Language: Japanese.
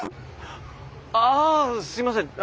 あすいません！